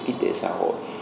kinh tế xã hội